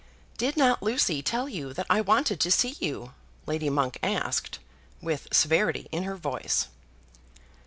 "Did not Lucy tell you that I wanted to see you?" Lady Monk asked, with severity in her voice.